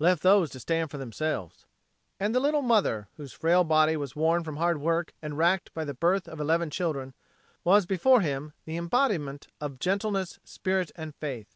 Left those to stand for themselves." And the little mother, whose frail body was worn from hard work and wracked by the birth of eleven children, was before him the embodiment of gentleness, spirit and faith.